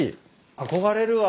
憧れるわ。